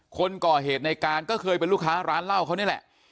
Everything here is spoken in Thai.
คนก่อเหตุในการก็เคยเป็นลูกค้าร้านเหล้าเขานี่แหละ